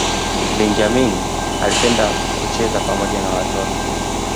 benjamini alipenda kucheza pamoja na watoto